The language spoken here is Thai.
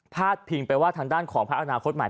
ดพิงไปว่าทางด้านของพักอนาคตใหม่